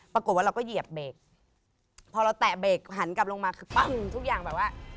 ปรากฏว่าเราก็เหยียบเบรกพอเราแตะเบรกหันกลับลงมาคือปั้งทุกอย่างแบบว่า